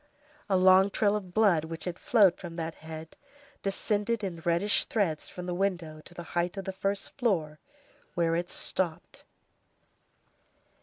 A long trail of blood which had flowed from that head, descended in reddish threads from the window to the height of the first floor, where it stopped.